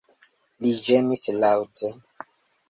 Li ĝemis laŭte.